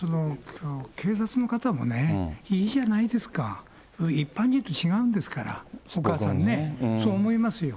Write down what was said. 警察の方もね、いいじゃないですか、一般人と違うんですから、お母さんね、そう思いますよ。